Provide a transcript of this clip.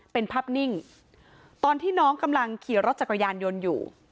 เป็นภาพนิ่งตอนที่น้องกำลังขี่รถจักรยานยนต์อยู่